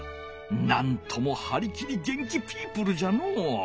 なんともはりきり元気ピープルじゃのう。